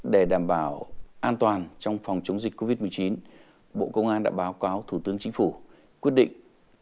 để đảm bảo an toàn trong phòng chống dịch covid một mươi chín bộ công an đã báo cáo thủ tướng chính phủ quyết định